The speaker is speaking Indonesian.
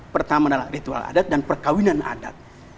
pertama adalah ritual adat dan perkawinan adat